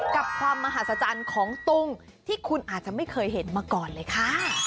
กับความมหาศจรรย์ของตุงที่คุณอาจจะไม่เคยเห็นมาก่อนเลยค่ะ